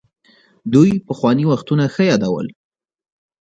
دوی پخواني وختونه ښه يادول.